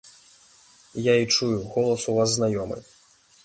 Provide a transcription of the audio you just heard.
Я і чую, голас у вас знаёмы!